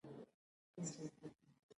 همکارۍ کچه د دیندارۍ معیار ګڼل کېږي.